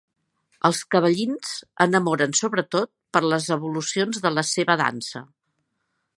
Els cavallins enamoren sobretot per les evolucions de la seva dansa.